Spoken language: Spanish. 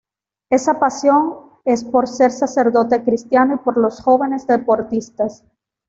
Esa pasión es por ser sacerdote cristiano y por los jóvenes deportistas.